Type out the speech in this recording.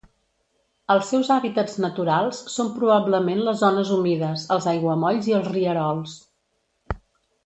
Els seus hàbitats naturals són probablement les zones humides, els aiguamolls i els rierols.